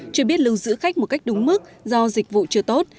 chưa biết lưu giữ khách một cách đúng mức do dịch vụ chưa tốt